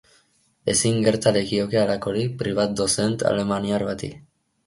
Ezin gerta lekioke halakorik privatdozent alemaniar bati.